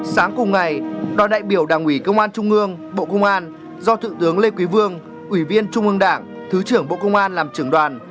sáng cùng ngày đoàn đại biểu đảng ủy công an trung ương bộ công an do thượng tướng lê quý vương ủy viên trung ương đảng thứ trưởng bộ công an làm trưởng đoàn